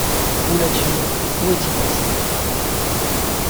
Où l’as-tu mis ? où est-il passé ?